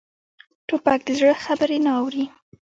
توپک د زړه خبرې نه اوري.